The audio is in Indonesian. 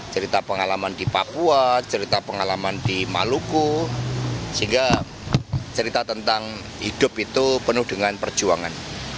cerita pengalaman di papua cerita pengalaman di maluku sehingga cerita tentang hidup itu penuh dengan perjuangan